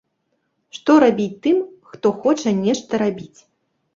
Што рабіць тым, хто хоча нешта рабіць?